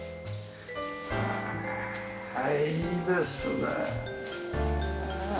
へえいいですね。